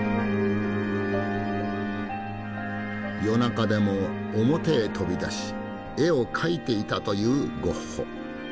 夜中でも表へ飛び出し絵を描いていたというゴッホ。